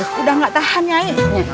terus udah gak tahan ya ini